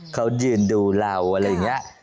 เขายืนดูเราอะไรอย่างนี้